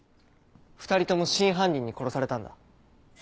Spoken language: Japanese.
２人とも真犯人に殺されたんだ。